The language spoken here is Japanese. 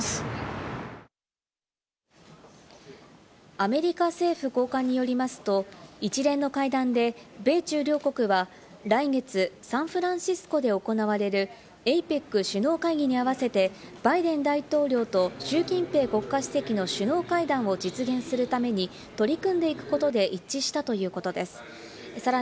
アメリカ政府高官によりますと、一連の会談で米中両国は来月、サンフランシスコで行われるＡＰＥＣ首脳会議に合わせて、バイデン大統領とシュウ・キンペイ国家主席の首脳会談を実現するラグビーのワールドカップ。